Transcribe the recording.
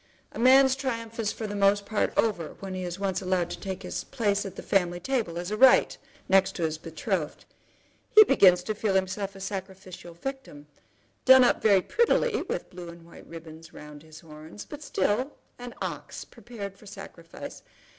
A man's triumph is for the most part over when he is once allowed to take his place at the family table, as a right, next to his betrothed. He begins to feel himself to be a sacrificial victim, done up very prettily with blue and white ribbons round his horns, but still an ox prepared for sacrifice.